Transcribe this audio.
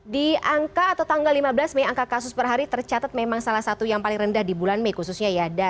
di angka atau tanggal lima belas mei angka kasus per hari tercatat memang salah satu yang paling rendah di bulan mei khususnya ya